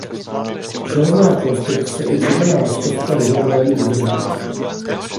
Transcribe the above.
Železná konstrukce i dřevěná mostovka vyžadovaly údržbu.